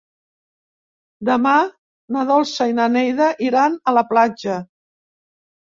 Demà na Dolça i na Neida iran a la platja.